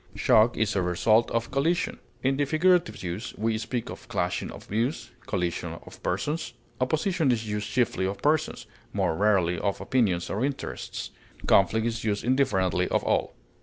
Shock is the result of collision. In the figurative use, we speak of clashing of views, collision of persons. Opposition is used chiefly of persons, more rarely of opinions or interests; conflict is used indifferently of all.